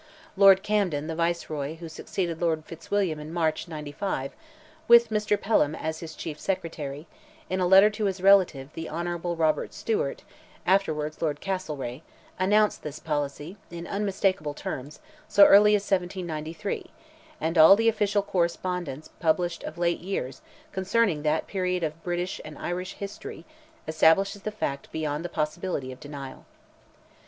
Lord Camden, the Viceroy who succeeded Lord Fitzwilliam in March, '95—with Mr. Pelham as his Chief Secretary, in a letter to his relative, the Hon. Robert Stewart, afterwards Lord Castlereagh, announced this policy, in unmistakable terms, so early as 1793; and all the official correspondence published of late years, concerning that period of British and Irish history, establishes the fact beyond the possibility of denial.